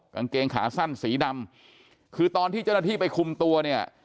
กางเกงขาสั้นสีดำคือตอนที่เจ้าหน้าที่ไปคุมตัวเนี่ย